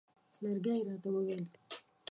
لرګی یې راته وویل.